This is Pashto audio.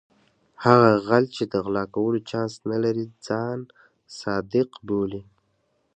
هغه غل چې د غلا کولو چانس نه لري ځان صادق بولي.